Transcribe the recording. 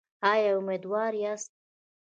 ایا امیدواره یاست؟